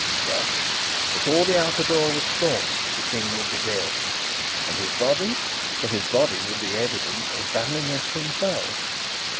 Thus, before the outer door were stormed, the King would be dead. And his body? For his body would be evidence as damning as himself.